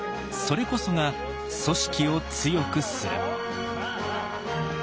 それこそが組織を強くする。